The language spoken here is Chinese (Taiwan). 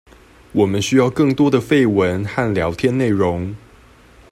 我們需要更多的廢文和聊天內容